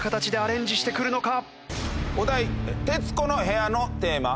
お題『徹子の部屋のテーマ』。